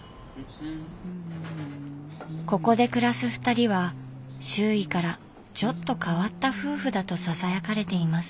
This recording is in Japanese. ここで暮らすふたりは周囲からちょっと変わった夫婦だとささやかれています。